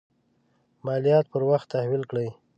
مالیات پر وخت تحویل کړي.